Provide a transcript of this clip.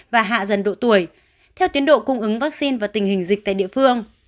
và hạ dần độ tuổi theo tiến độ cung ứng vaccine và tình hình dịch tại địa phương